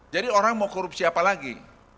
orang mau korupsi apa lagi